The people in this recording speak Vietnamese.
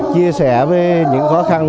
chia sẻ với những khó khăn